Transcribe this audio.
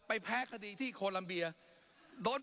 ปรับไปเท่าไหร่ทราบไหมครับ